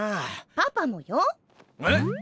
パパもよ。えっ！